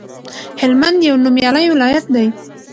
هلمند یو نومیالی ولایت دی